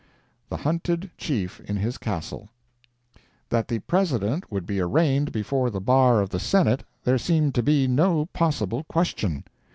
THE HUNTED CHIEF IN HIS CASTLE That the President would be arraigned before the bar of the Senate, there seemed to be no possible question.